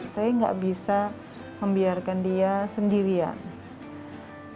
saya nggak bisa membiarkan dia sendirian